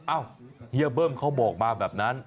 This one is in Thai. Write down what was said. เฮียเบิ้มเขาบอกมาแบบนั้น